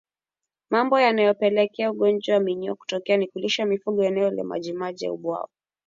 Mambo yanayopelekea ugonjwa wa minyoo kutokea ni kulisha mifugo eneo lenye majimaji au bwawa